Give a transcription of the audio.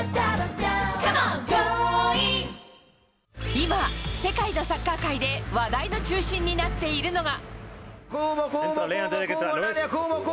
今、世界のサッカー界で話題の中心になっているのが。